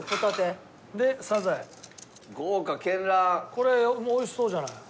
これも美味しそうじゃない。